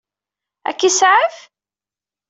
Ad k-isaɛef?